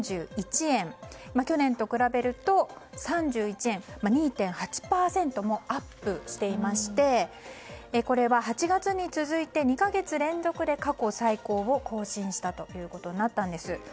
去年と比べると３１円２．８％もアップしていましてこれは８月に続いて２か月連続で過去最高を更新したということになったんです。